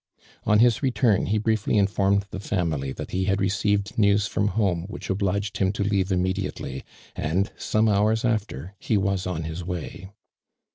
On his return, he briefly informed the fa mily that he had receivetl news ftom home whioh obliged him to leave immediately, and some hours after he was on his way.